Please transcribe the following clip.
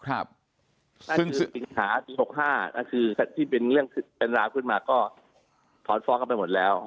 นั่นคือสิ่งขา๓๖๕นั่นคือที่เป็นเรื่องเป็นราวขึ้นมาก็ถอนฟ้องไปหมดแล้ว